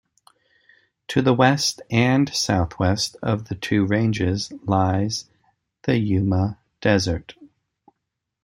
To the west and southwest of the two ranges lies the Yuma Desert.